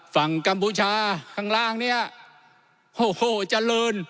ฝั่งกัมพูชาข้างล่างเนี่ยโหเจริญ